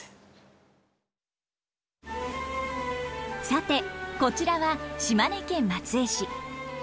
さてこちらは島根県松江市。